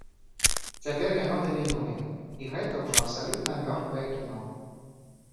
Цяпер яно дамінуе, і гэта ўжо абсалютна мёртвае кіно.